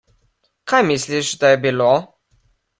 Kaj misliš, da je bilo?